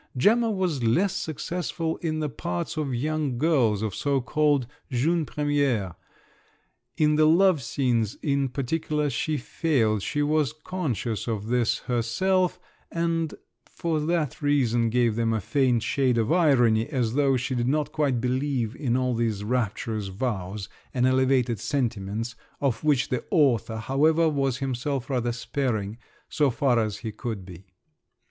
Gemma was less successful in the parts of young girls—of so called "jeunes premières"; in the love scenes in particular she failed; she was conscious of this herself, and for that reason gave them a faint shade of irony as though she did not quite believe in all these rapturous vows and elevated sentiments, of which the author, however, was himself rather sparing—so far as he could be.